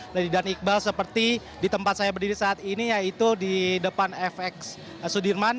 lady dan iqbal seperti di tempat saya berdiri saat ini yaitu di depan fx sudirman